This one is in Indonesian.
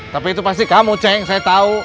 tapi itu pasti kamu ceng saya tahu